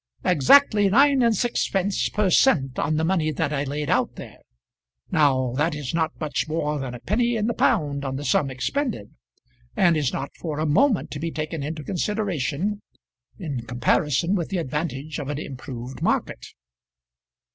"Exactly nine and sixpence per cent. on the money that I laid out there. Now that is not much more than a penny in the pound on the sum expended, and is not for a moment to be taken into consideration in comparison with the advantage of an improved market."